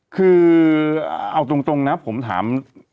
คือเอาตรงนะผมถาม